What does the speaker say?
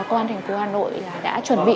công an thành phố hà nội đã chuẩn bị